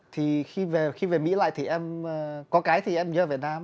thì khi về mỹ lại thì em có cái thì em nhớ việt nam